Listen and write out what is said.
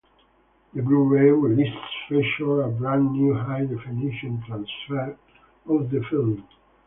The Blu-ray release featured a brand new high definition transfer of the film.